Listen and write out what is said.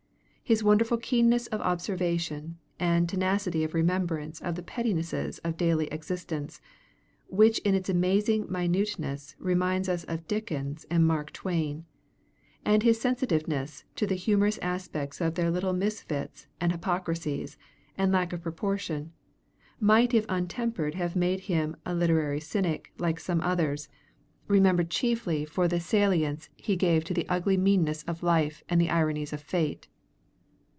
His wonderful keenness of observation and tenacity of remembrance of the pettinesses of daily existence, which in its amazing minuteness reminds us of Dickens and Mark Twain, and his sensitiveness to the humorous aspects of their little misfits and hypocrisies and lack of proportion, might if untempered have made him a literary cynic like some others, remembered chiefly for the salience he gave to the ugly meannesses of life and the ironies of fate.